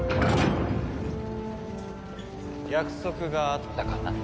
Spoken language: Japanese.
約束があったかな？